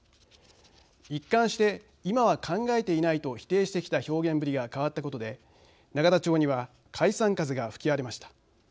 一貫して今は考えていないと否定してきた表現ぶりが変わったことで永田町には解散風が吹き荒れました。